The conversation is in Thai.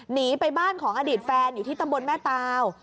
หนีไปบ้านของอดีตแฟนอยู่ที่ตำบลแม่ตาว